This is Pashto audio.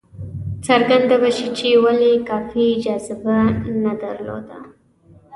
څرګنده به شي چې ولې کافي جاذبه نه درلوده.